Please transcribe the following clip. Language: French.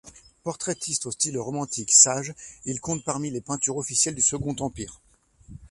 Portraitiste au style romantique sage, il compte parmi les peintres officiels du Second Empire.